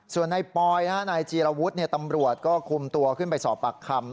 ส่วนนายปอยนายจีรวุฒิตำรวจก็คุมตัวขึ้นไปสอบปากคำ